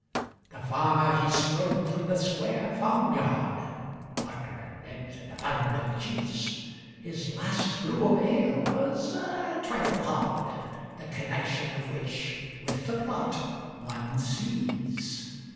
The farmer he strode through the square farmyard; (Butter and eggs and a pound of cheese) His last brew of ale was a trifle hard, The connection of which with the plot one sees.